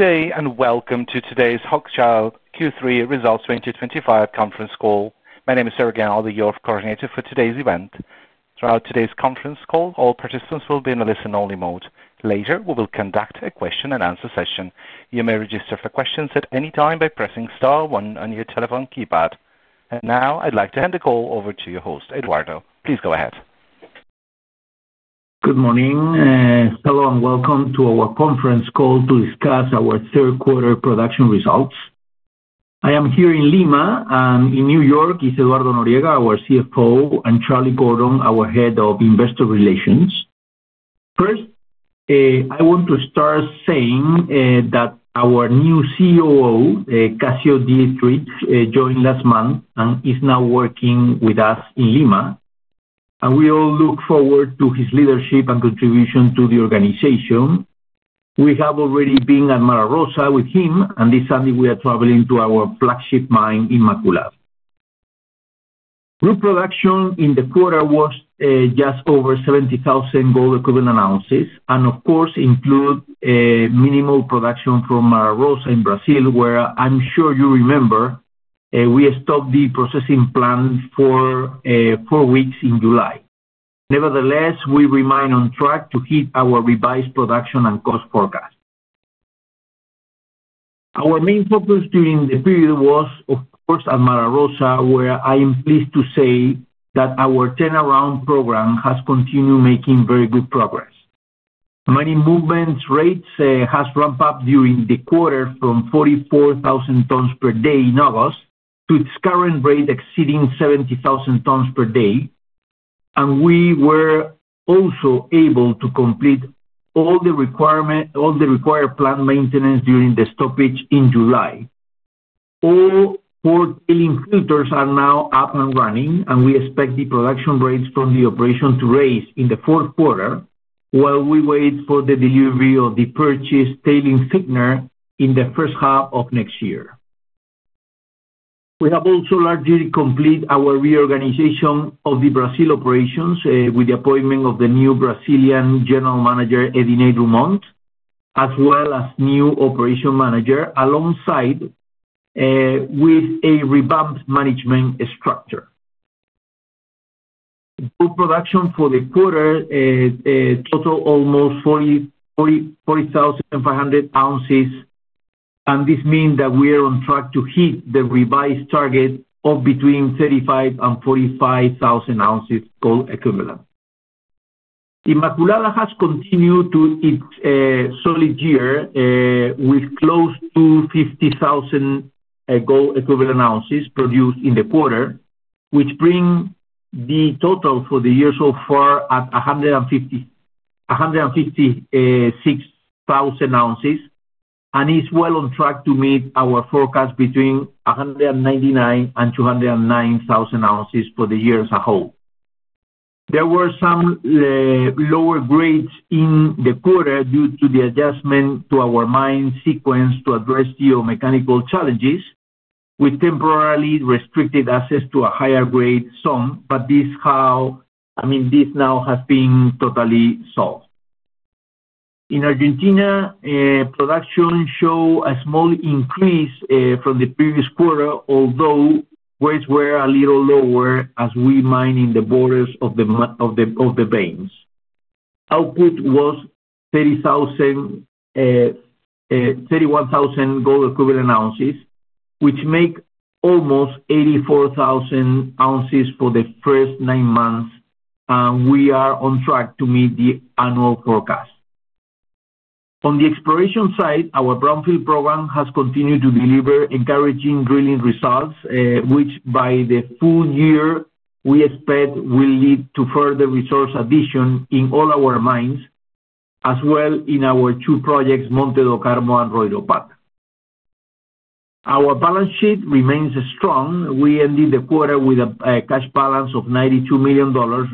ray, and welcome to today's Hochschild Mining plc Q3 results 2025 conference call. My name is Sergei, and I'll be your coordinator for today's event. Throughout today's conference call, all participants will be in a listen-only mode. Later, we will conduct a question and answer session. You may register for questions at any time by pressing star one on your telephone keypad. I'd like to hand the call over to your host, Eduardo. Please go ahead. Good morning. Hello and welcome to our conference call to discuss our third-quarter production results. I am here in Lima, and in New York is Eduardo Noriega, our CFO, and Charles Gordon, our Head of Investor Relations. First, I want to start saying that our new COO, Cássio Dietrich, joined last month and is now working with us in Lima. We all look forward to his leadership and contribution to the organization. We have already been at Mara Rosa with him, and this Sunday, we are traveling to our flagship mine, Inmaculada. Group production in the quarter was just over 70,000 gold equivalent ounces, and of course, includes minimal production from Mara Rosa in Brazil, where I'm sure you remember, we stopped the processing plant for four weeks in July. Nevertheless, we remain on track to hit our revised production and cost forecast. Our main focus during the period was, of course, at Mara Rosa, where I am pleased to say that our turnaround program has continued making very good progress. Many movement rates have ramped up during the quarter from 44,000 tons per day in August to its current rate exceeding 70,000 tons per day. We were also able to complete all the required plant maintenance during the stoppage in July. All four tailings filters are now up and running, and we expect the production rates from the operation to rise in the fourth quarter while we wait for the delivery of the purchased tailings thickener in the first half of next year. We have also largely completed our reorganization of the Brazil operations, with the appointment of the new Brazilian General Manager, Ediney Drummond, as well as new Operation Manager alongside, with a revamped management structure. Group production for the quarter totaled almost 40,400 ounces, and this means that we are on track to hit the revised target of between 35,000 and 45,000 ounces gold equivalent. Inmaculada has continued its solid year, with close to 50,000 gold equivalent ounces produced in the quarter, which brings the total for the year so far at 156,000 ounces, and is well on track to meet our forecast between 199,000 and 209,000 ounces for the year as a whole. There were some lower grades in the quarter due to the adjustment to our mine sequence to address geomechanical challenges, with temporarily restricted access to a higher grade zone, but this now has been totally solved. In Argentina, production showed a small increase from the previous quarter, although weights were a little lower as we mine in the borders of the veins. Output was 31,000 gold equivalent ounces, which makes almost 84,000 ounces for the first nine months, and we are on track to meet the annual forecast. On the exploration side, our brownfield exploration program has continued to deliver encouraging drilling results, which by the full year we expect will lead to further resource additions in all our mines, as well as in our two projects, Monte do Carmo and Royropata. Our balance sheet remains strong. We ended the quarter with a cash balance of $92 million,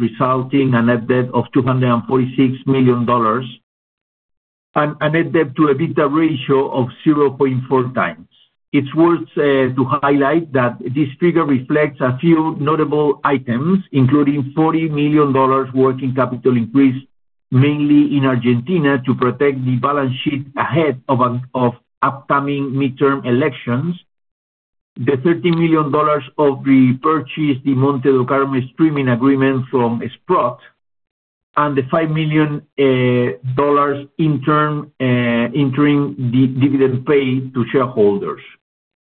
resulting in a net debt of $246 million, and a net debt-to-EBITDA ratio of 0.4 times. It's worth highlighting that this figure reflects a few notable items, including a $40 million working capital increase, mainly in Argentina, to protect the balance sheet ahead of upcoming midterm elections, the $30 million purchase of the Monte do Carmo streaming agreement from Sprott, and the $5 million interim dividend paid to shareholders.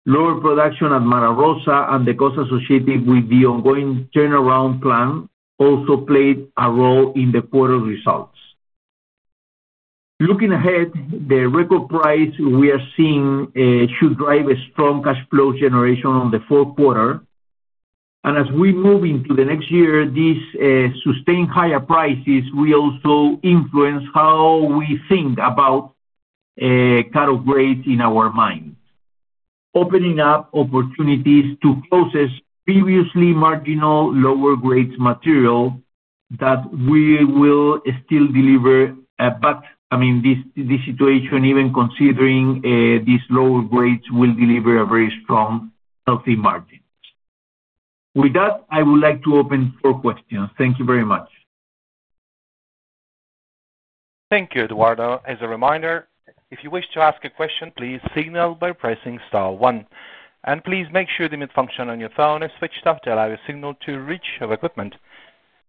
Lower production at Mara Rosa and the costs associated with the ongoing turnaround program also played a role in the quarter results. Looking ahead, the record price we are seeing should drive strong cash flow generation in the fourth quarter. As we move into next year, these sustained higher prices will also influence how we think about cut-off grades in our mines, opening up opportunities to process previously marginal lower grade material that we will still deliver. This situation, even considering these lower grades, will deliver a very strong, healthy margin. With that, I would like to open for questions. Thank you very much. Thank you, Eduardo. As a reminder, if you wish to ask a question, please signal by pressing star one. Please make sure the mute function on your phone is switched off to allow your signal to reach your equipment.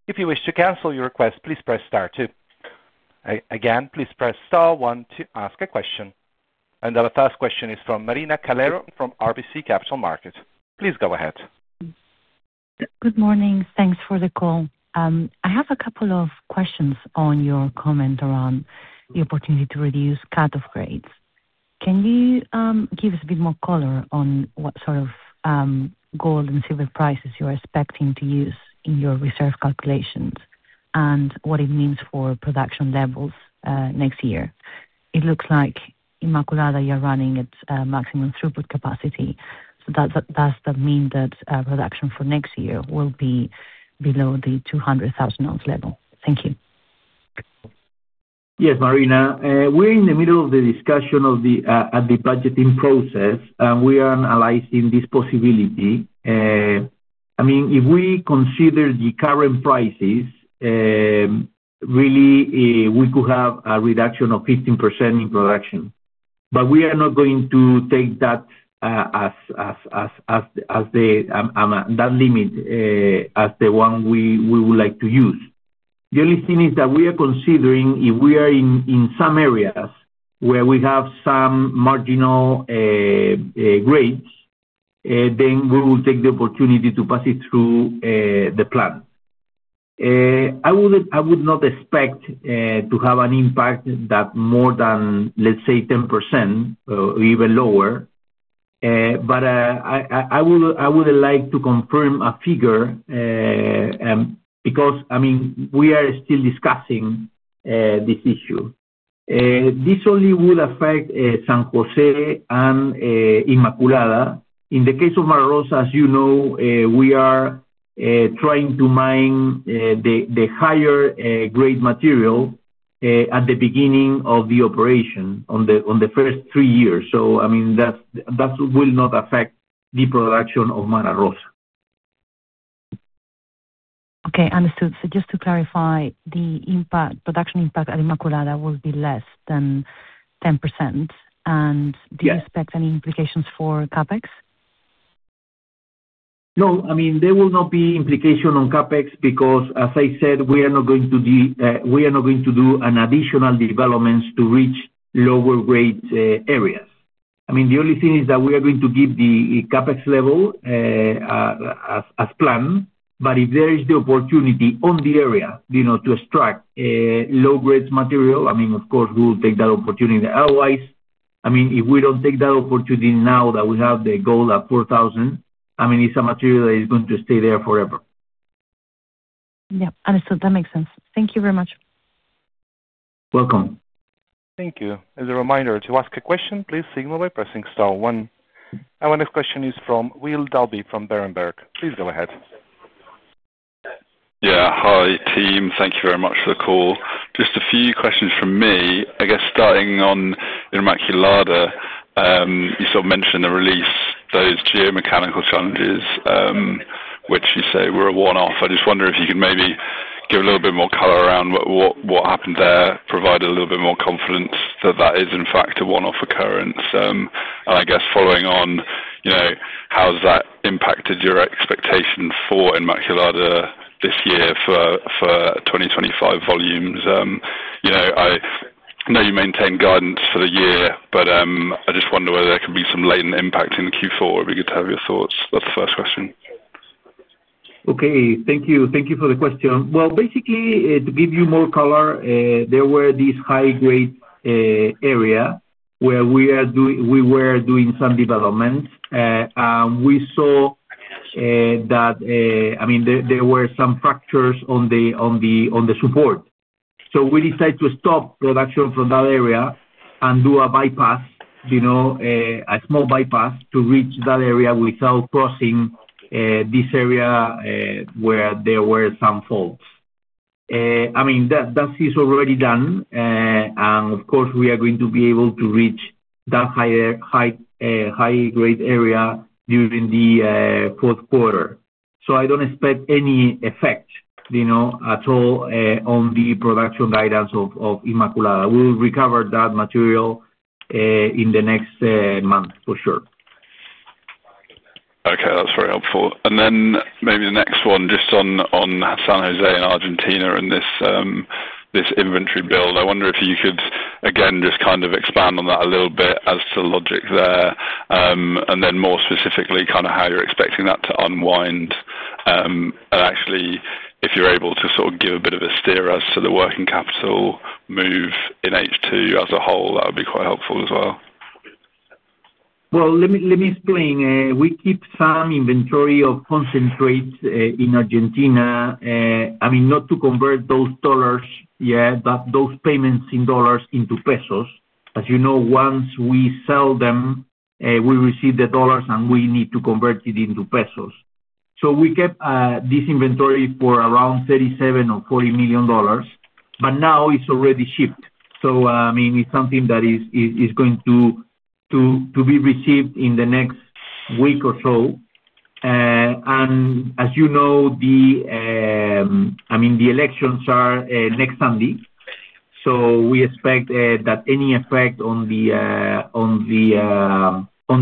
If you wish to cancel your request, please press star two. Please press star one to ask a question. Our first question is from Marina Calero from RBC Capital Markets. Please go ahead. Good morning. Thanks for the call. I have a couple of questions on your comment around the opportunity to reduce cut-off grades. Can you give us a bit more color on what sort of gold and silver prices you're expecting to use in your reserve calculations and what it means for production levels next year? It looks like Inmaculada you're running at maximum throughput capacity. Does that mean that production for next year will be below the 200,000 ounce level? Thank you. Yes, Marina. We're in the middle of the discussion of the budgeting process, and we are analyzing this possibility. If we consider the current prices, really, we could have a reduction of 15% in production. We are not going to take that as the limit we would like to use. The only thing is that we are considering if we are in some areas where we have some marginal grades, then we will take the opportunity to pass it through the plant. I would not expect to have an impact that is more than, let's say, 10% or even lower. I would like to confirm a figure, because we are still discussing this issue. This only would affect San Jose and Inmaculada. In the case of Mara Rosa, as you know, we are trying to mine the higher grade material at the beginning of the operation in the first three years. That will not affect the production of Mara Rosa. Okay. Understood. Just to clarify, the production impact at Inmaculada will be less than 10%. Do you expect any implications for CAPEX? No, I mean, there will not be implication on CapEx because, as I said, we are not going to do an additional development to reach lower grade areas. The only thing is that we are going to keep the CapEx level as planned. If there is the opportunity in the area to extract low-grade material, of course, we will take that opportunity. Otherwise, if we don't take that opportunity now that we have the gold at $4,000, it's a material that is going to stay there forever. Understood. That makes sense. Thank you very much. Welcome. Thank you. As a reminder, to ask a question, please signal by pressing star one. Our next question is Will Dalby from Berenberg. Please go ahead. Yeah. Hi, team. Thank you very much for the call. Just a few questions from me. I guess starting on Inmaculada, you mentioned the release, those geomechanical challenges, which you say were a one-off. I just wonder if you could maybe give a little bit more color around what happened there, provide a little bit more confidence that that is, in fact, a one-off occurrence. I guess following on, how has that impacted your expectations for Inmaculada this year, for 2025 volumes? I know you maintain guidance for the year, but I just wonder whether there could be some latent impact in Q4. It'd be good to have your thoughts. That's the first question. Thank you. Thank you for the question. Basically, to give you more color, there were these high-grade areas where we were doing some developments, and we saw that there were some fractures on the support. We decided to stop production from that area and do a bypass, a small bypass to reach that area without crossing this area where there were some faults. That is already done, and of course, we are going to be able to reach that high-grade area during the fourth quarter. I don't expect any effect at all on the production guidance of Inmaculada. We will recover that material in the next month, for sure. Okay, that's very helpful. Maybe the next one, just on San Jose in Argentina and this inventory build. I wonder if you could, again, just kind of expand on that a little bit as to logic there, and then more specifically, kind of how you're expecting that to unwind, and actually, if you're able to sort of give a bit of a steer as to the working capital move in H2 as a whole, that would be quite helpful as well. Let me explain. We keep some inventory of concentrates in Argentina, not to convert those dollars, those payments in dollars, into pesos. As you know, once we sell them, we receive the dollars, and we need to convert it into pesos. We kept this inventory for around $37 million or $40 million, but now it's already shipped. It's something that is going to be received in the next week or so. As you know, the elections are next Sunday. We expect that any effect on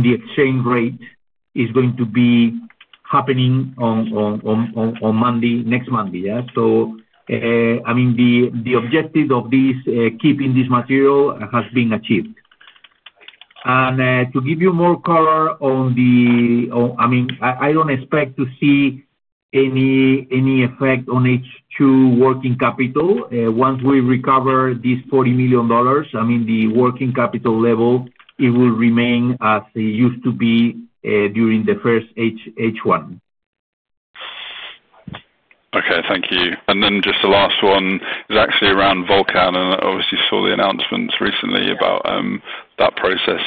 the exchange rate is going to be happening on Monday, next Monday, yeah? The objective of keeping this material has been achieved. To give you more color, I don't expect to see any effect on H2 working capital. Once we recover these $40 million, the working capital level will remain as it used to be during the first H1. Thank you. Just the last one is actually around Volcan. Obviously, you saw the announcements recently about that process,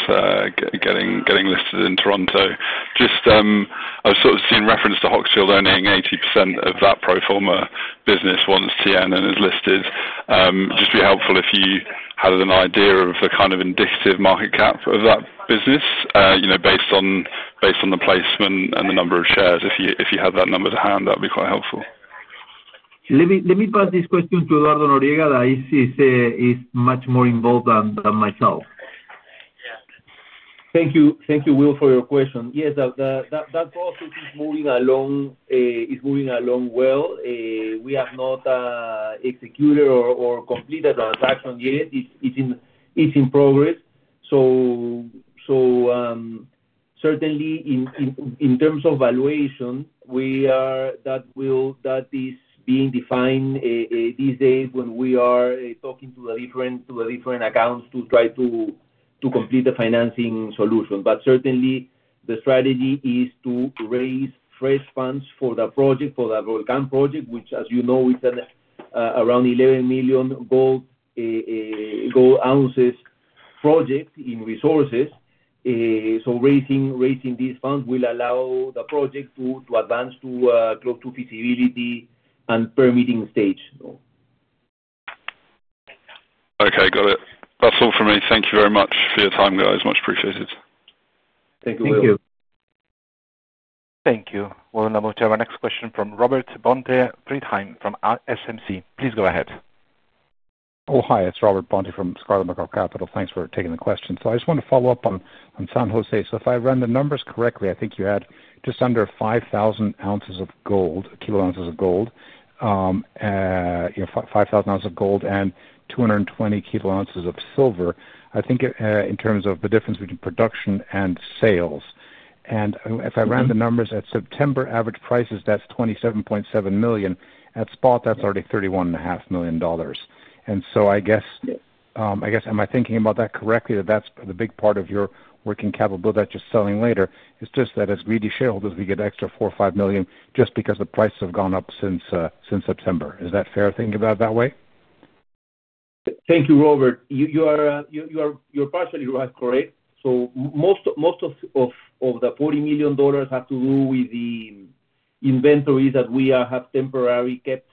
getting listed in Toronto. I've sort of seen reference to Hochschild owning 80% of that pro forma business once TNN is listed. It'd just be helpful if you had an idea of the kind of indicative market cap of that business, you know, based on the placement and the number of shares. If you have that number to hand, that would be quite helpful. Let me pass this question to Eduardo Noriega, as he is much more involved than myself. Thank you, Will, for your question. Yes, that process is moving along well. We have not executed or completed a transaction yet. It's in progress. Certainly, in terms of valuation, that is being defined these days when we are talking to the different accounts to try to complete the financing solution. Certainly, the strategy is to raise fresh funds for the project, for the Volcan project, which, as you know, is an around 11 million gold ounces project in resources. Raising these funds will allow the project to advance to close to feasibility and permitting stage. Okay. Got it. That's all for me. Thank you very much for your time, guys. Much appreciated. Thank you, Will. Thank you. Thank you. We're on the move to our next question from Robert Bonte-Friedheim from SMC. Please go ahead. Oh, hi. It's Robert Bonte from Scarlet Macaw Capital. Thanks for taking the question. I just wanted to follow up on San Jose. If I run the numbers correctly, I think you had just under 5,000 ounces of gold, kilo ounces of gold, you know, 5,000 ounces of gold and 220 kilo ounces of silver, I think, in terms of the difference between production and sales. If I ran the numbers, at September average prices, that's $27.7 million. At spot, that's already $31.5 million. I guess, am I thinking about that correctly, that that's the big part of your working capital build that you're selling later? It's just that as greedy shareholders, we get an extra $4 or $5 million just because the prices have gone up since September. Is that fair thinking about it that way? Thank you, Robert. You are partially right, correct? Most of the $40 million have to do with the inventories that we have temporarily kept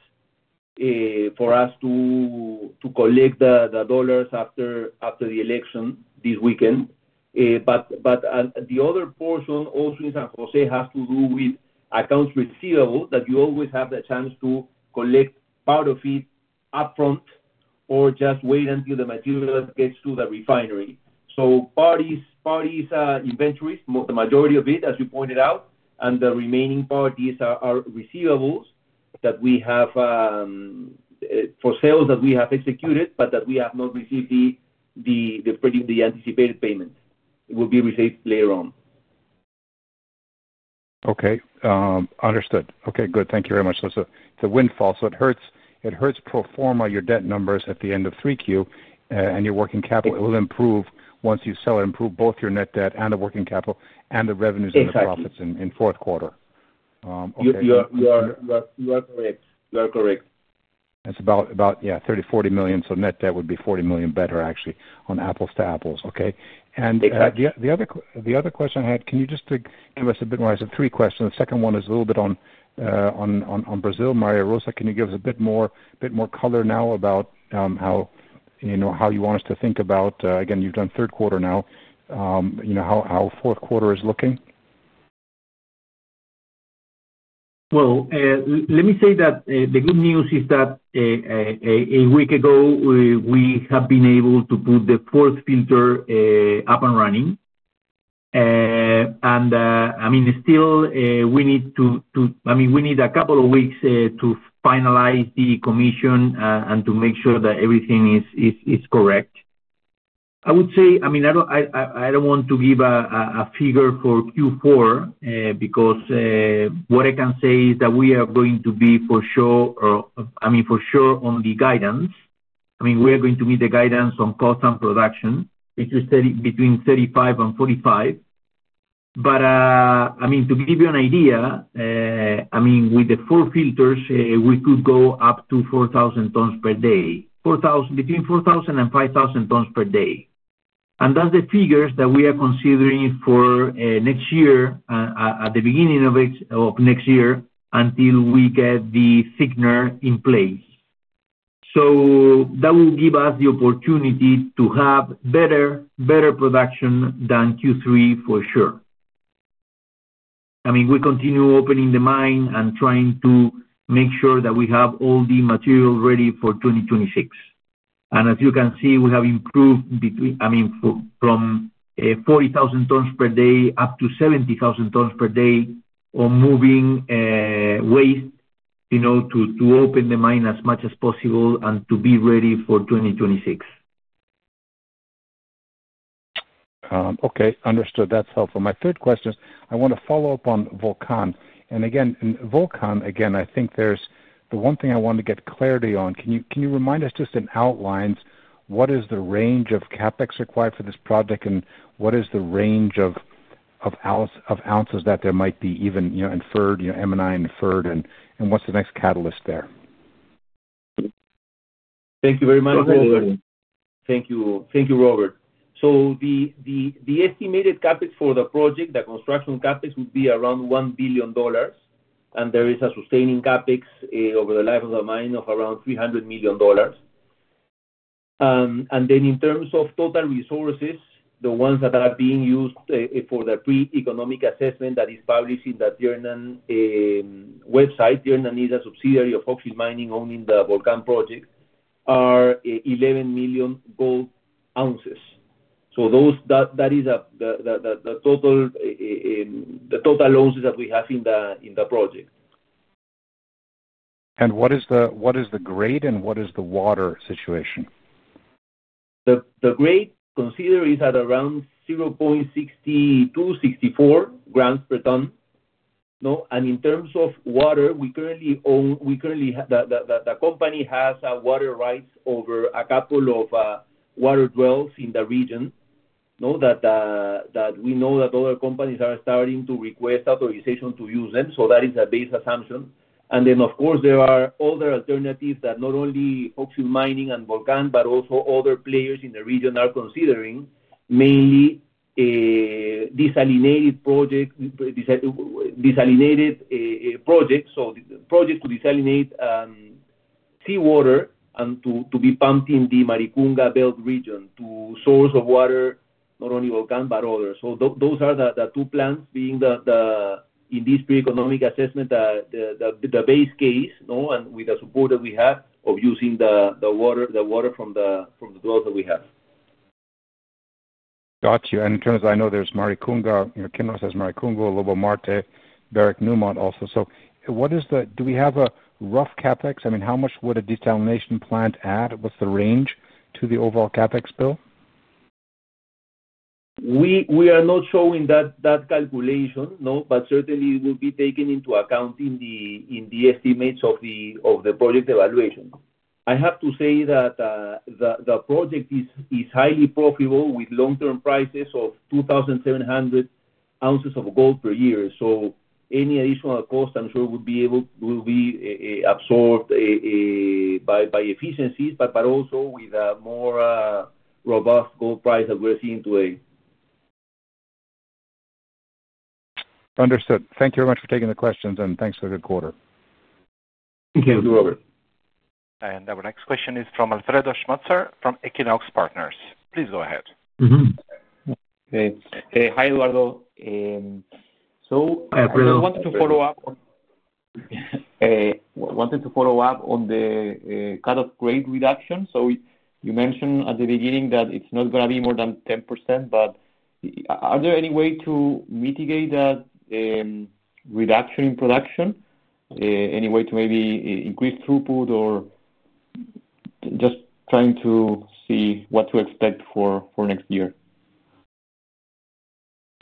for us to collect the dollars after the election this weekend. The other portion also in San Jose has to do with accounts receivable, that you always have the chance to collect part of it upfront or just wait until the material gets to the refinery. Part is inventories, the majority of it, as you pointed out, and the remaining part is receivables that we have for sales that we have executed, but that we have not received the anticipated payment. It will be received later on. Okay, understood. Good, thank you very much. It's a windfall. It hurts pro forma your debt numbers at the end of 3Q and your working capital. It will improve once you sell it, improve both your net debt and the working capital and the revenues and the profits in fourth quarter. You are correct. It's about $30 million, $40 million. Net debt would be $40 million better, actually, on apples to apples, okay? The other question I had, can you just give us a bit more? I said three questions. The second one is a little bit on Brazil, Mara Rosa. Can you give us a bit more color now about how you want us to think about, again, you've done third quarter now, how fourth quarter is looking? The good news is that a week ago, we have been able to put the fourth filter up and running. We still need a couple of weeks to finalize the commission and to make sure that everything is correct. I don't want to give a figure for Q4, because what I can say is that we are going to be for sure on the guidance. We are going to meet the guidance on cost and production between 35 and 45. To give you an idea, with the four filters, we could go up to 4,000 tons per day, between 4,000 and 5,000 tons per day. That's the figures that we are considering for next year, at the beginning of next year until we get the thickener in place. That will give us the opportunity to have better production than Q3, for sure. We continue opening the mine and trying to make sure that we have all the material ready for 2026. As you can see, we have improved from 40,000 tons per day up to 70,000 tons per day on moving waste to open the mine as much as possible and to be ready for 2026. Okay. Understood. That's helpful. My third question, I want to follow up on Volcan. In Volcan, I think there's the one thing I wanted to get clarity on. Can you remind us just in outlines what is the range of CapEx required for this project and what is the range of ounces that there might be, even, you know, inferred, you know, M&I inferred, and what's the next catalyst there? Thank you very much, Robert. Thank you. Thank you, Robert. The estimated CapEx for the project, the construction CapEx, would be around $1 billion. There is a sustaining CapEx over the life of the mine of around $300 million. In terms of total resources, the ones that are being used for the pre-economic assessment that is published in the German website, German is a subsidiary of Hochschild Mining owning the Volcan project, are 11 million gold ounces. That is the total ounces that we have in the project. What is the grade and what is the water situation? The grade considered is at around 0.62, 0.64 grams per ton. In terms of water, we currently have, the company has water rights over a couple of water wells in the region. We know that other companies are starting to request authorization to use them. That is a base assumption. There are other alternatives that not only Hochschild Mining and Volcan, but also other players in the region are considering, mainly desalinated projects. Projects to desalinate seawater and to be pumped in the Maricunga Belt region to source water, not only Volcan, but others. Those are the two plans being, in this pre-economic assessment, the base case, with the support that we have of using the water from the wells that we have. Gotcha. In terms of, I know there's Maricunga, you know, Kinross has Maricunga, Lobo-Marte, Barrick Newmont also. What is the, do we have a rough CapEx? I mean, how much would a desalination plant add? What's the range to the overall CapEx bill? We are not showing that calculation, no, but certainly it will be taken into account in the estimates of the project evaluation. I have to say that the project is highly profitable with long-term prices of $2,700 per ounce of gold per year. Any additional cost, I'm sure, would be able to be absorbed by efficiencies, but also with a more robust gold price that we're seeing today. Understood. Thank you very much for taking the questions, and thanks for the quarter. Thank you. Thank you, Robert. Our next question is from Alfredo Schmutzer from Equinox Partners. Please go ahead. Okay. Hi, Eduardo. I just wanted to follow up on the cut-off grade reduction. You mentioned at the beginning that it's not going to be more than 10%, but are there any ways to mitigate that reduction in production? Any way to maybe increase throughput or just trying to see what to expect for next year?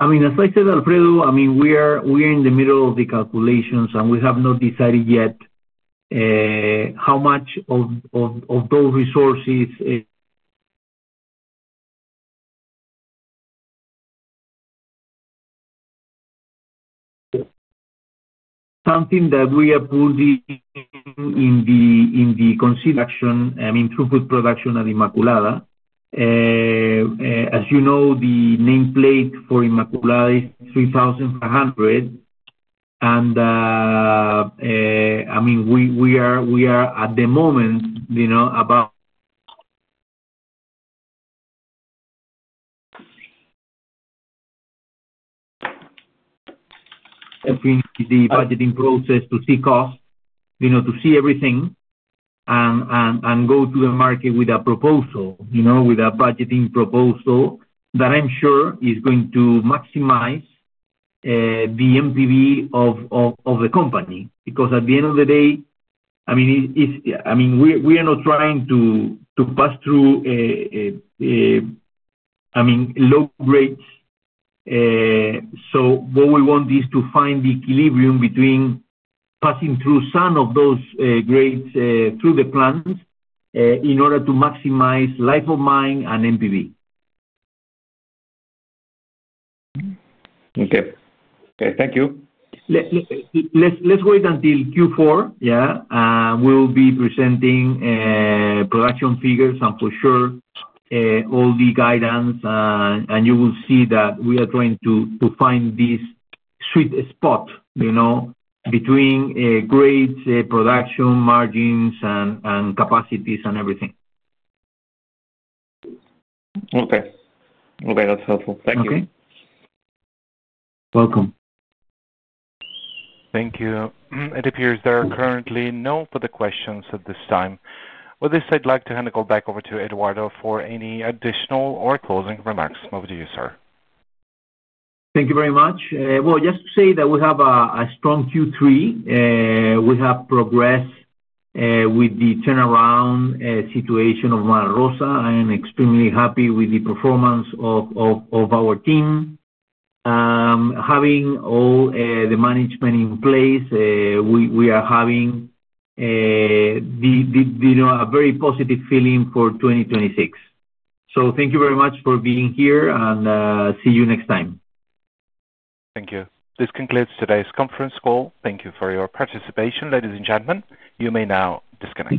I mean, as I said, Alfredo, we are in the middle of the calculations, and we have not decided yet how much of those resources, something that we are putting in the consideration, I mean, throughput production at Inmaculada. As you know, the nameplate for Inmaculada is 3,500. We are at the moment about the budgeting process to see cost, to see everything, and go to the market with a proposal, with a budgeting proposal that I'm sure is going to maximize the net present value of the company. Because at the end of the day, we're not trying to pass through low grades. What we want is to find the equilibrium between passing through some of those grades through the plants in order to maximize life of mine and net present value. Okay. Thank you. Let's wait until Q4, yeah? We'll be presenting production figures and for sure, all the guidance, and you will see that we are trying to find this sweet spot, you know, between grades, production, margins, and capacities, and everything. Okay. Okay. That's helpful. Thank you. Okay. Welcome. Thank you. It appears there are currently no further questions at this time. With this, I'd like to hand the call back over to Eduardo for any additional or closing remarks. Over to you, sir. Thank you very much. Just to say that we have a strong Q3. We have progressed with the turnaround situation of Mara Rosa. I am extremely happy with the performance of our team. Having all the management in place, we are having a very positive feeling for 2026. Thank you very much for being here, and see you next time. Thank you. This concludes today's conference call. Thank you for your participation, ladies and gentlemen. You may now disconnect.